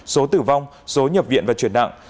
số tử vong số nhập viện và chuyển nặng